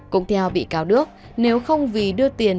cũng theo bị cáo đức nếu không vì đưa tiền